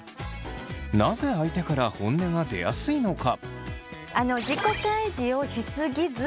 なぜ相手から本音が出やすいのか？